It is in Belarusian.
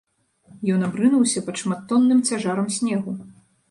Ён абрынуўся пад шматтонным цяжарам снегу.